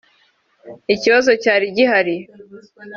Ikibazo cyari gihari